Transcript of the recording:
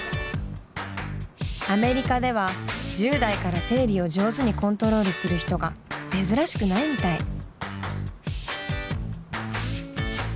アメリカでは１０代から生理を上手にコントロールする人が珍しくないみたい。